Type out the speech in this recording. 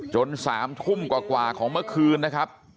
๓ทุ่มกว่าของเมื่อคืนนะครับ